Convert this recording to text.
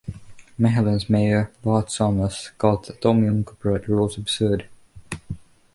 Mechelen's Mayor, Bart Somers, called the Atomium copyright rules absurd.